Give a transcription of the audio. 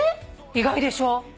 意外でしょ？